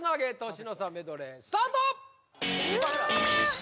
年の差メドレースタートうわ